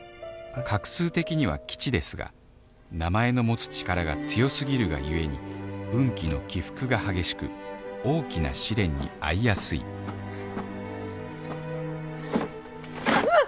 画数的には「名前の持つ力が強すぎるがゆえに運気の起伏が激しく大きな試練に遭いやすいはぁうわああっ！